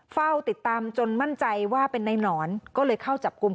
เฝ้าติดตามจนมั่นใจว่าเป็นในหนอนก็เลยเข้าจับกลุ่ม